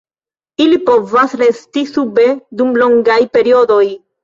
Ili povas resti sube dum longaj periodoj.